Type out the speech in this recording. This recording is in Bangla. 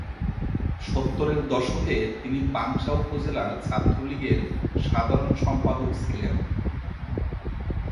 সত্তরের দশকে তিনি পাংশা উপজেলা ছাত্রলীগের সাধারণ সম্পাদক ছিলেন।